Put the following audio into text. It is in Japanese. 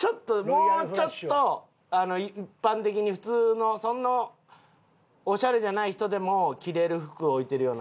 もうちょっと一般的に普通のオシャレじゃない人でも着れる服置いてるような所。